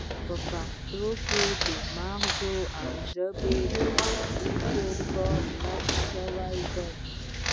په پښتو کې د مغزو او ژبې پر اړیکو کار لږ شوی دی